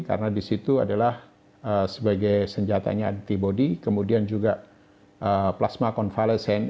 karena di situ adalah sebagai senjatanya antibody kemudian juga plasma convalescent